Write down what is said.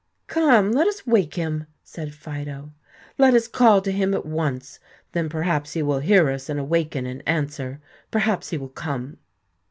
"Come, let us wake him," said Fido; "let us all call to him at once. Then perhaps he will hear us and awaken and answer; perhaps he will come."